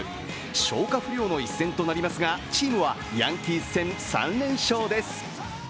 消化不良の一戦となりますが、チームはヤンキース戦３連勝です。